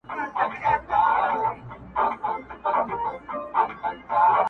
د قیامت نښانې دغه دي ښکاریږي -